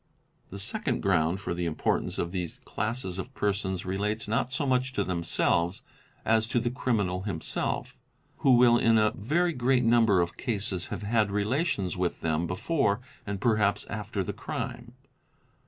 The second ground for the importance of these classes of persons relates not so much to themselves as to the criminal himself ;~ who will in a very great number of cases have had relations with them before and perhaps after the crime.